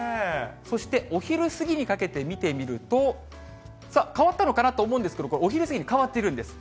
そしてお昼過ぎにかけて見てみると、さあ、変わったのかなと思うんですけど、お昼過ぎに変わってるんです。